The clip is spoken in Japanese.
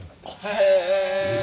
へえ！